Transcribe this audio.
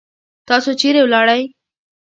تاسو چیرې ولاړی؟